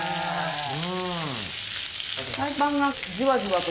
うん。